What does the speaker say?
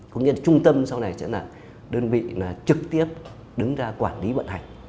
cũng như là trung tâm sau này sẽ là đơn vị trực tiếp đứng ra quản lý vận hành